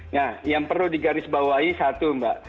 nah yang perlu di garis bawahi satu mbak